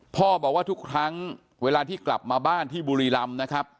พ่อบอกว่าทุกครั้งเวลาที่กลับมาบ้านที่บุรีรำนะครับ